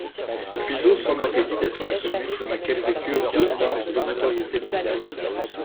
Cuiseaux s'enorgueillit d'être la commune dans laquelle vécurent deux peintres de notoriété mondiale.